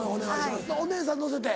お姉さん乗せて？